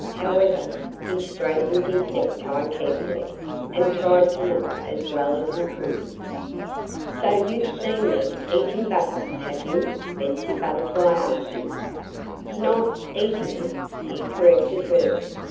However, he straightened his necktie carefully and tried to look as well as he could. "So you've seen me eating butter, have you?" Betsy Butterfly asked him. "Not eating it!" he corrected her.